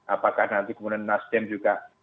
apakah nanti kemudian nasdem juga